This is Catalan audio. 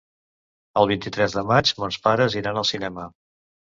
El vint-i-tres de maig mons pares iran al cinema.